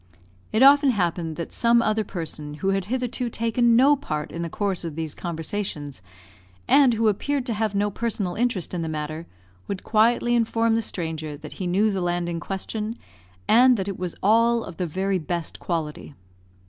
It often happened that some other person, who had hitherto taken no part in the course of these conversations, and who appeared to have no personal interest in the matter, would quietly inform the stranger that he knew the land in question, and that it was all of the very best quality.